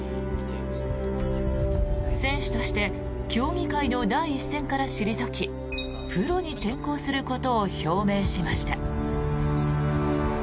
選手として競技会の第一線から退きプロに転向することを表明しました。